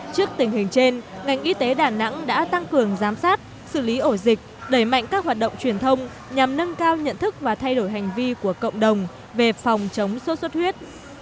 trước tình hình trên ngành y tế đà nẵng đã tăng cường giám sát xử lý ổ dịch đẩy mạnh các hoạt động truyền thông nhằm nâng cao nhận thức và thay đổi hành vi của cộng đồng về phòng chống sốt xuất huyết